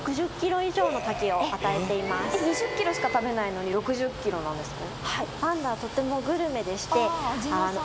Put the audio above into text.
えっ２０ｋｇしか食べないのに６０ｋｇなんですか？